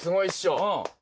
うん。